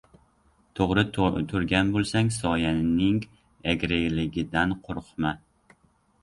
• To‘g‘ri turgan bo‘lsang, soyaning egriligidan qo‘rqma.